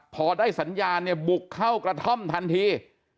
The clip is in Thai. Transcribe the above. พอได้สัญญาณเนี่ยบุกเข้ากระท่อมทันที